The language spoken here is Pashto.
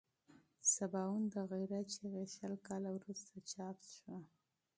سباوون د غیرت چغې شل کاله وروسته چاپ شوه.